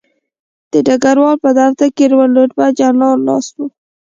د ډګروال په دفتر کې لوړ رتبه جنرالان ناست وو